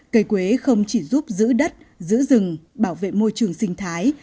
cây quế không chỉ giúp giữ đất giữ rừng bảo vệ môi trường sinh thái